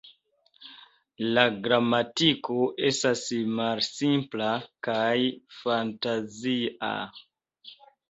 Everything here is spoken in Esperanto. La gramatiko estas malsimpla kaj fantazia.